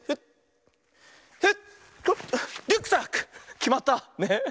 きまった。ね。